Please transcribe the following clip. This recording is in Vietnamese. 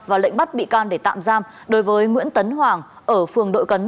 và lệnh bắt bị can để tạm giam đối với nguyễn tấn hoàng ở phường đội cấn